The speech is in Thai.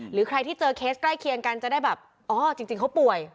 หรือใครที่เจอเคสใกล้เคียงกันจะได้แบบอ๋อจริงเขาป่วย